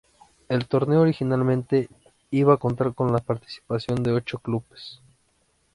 El torneo originalmente, iba a contar con la participación de ocho clubes.